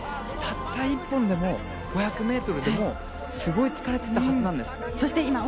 たった１本でも５００ｍでもすごい疲れていたはずなんです。